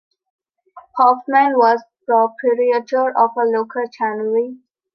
Hoffman was the proprietor of a local tannery.